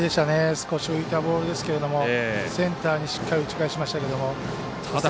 少し浮いたボールですけどセンターにしっかり打ち返しましたけども。